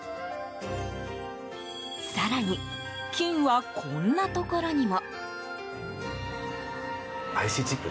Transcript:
更に、金はこんなところにも。